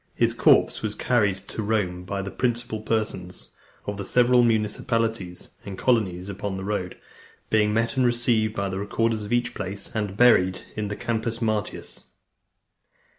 His corpse was carried to Rome by the principal persons of the several municipalities and colonies upon the road, being met and received by the recorders of each place, and buried in the Campus Martius.